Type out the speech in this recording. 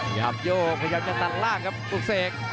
อยากโยกพยายามจะตัดล่างครับปลูกเสก